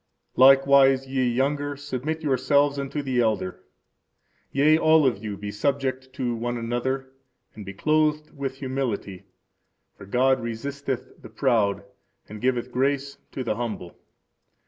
Likewise, ye younger, submit yourselves unto the elder. Yea, all of you be subject one to another, and be clothed with humility; for God resisteth the proud, and giveth grace to the humble.